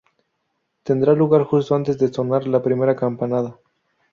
Tendrá lugar justo antes de sonar la primera campanada.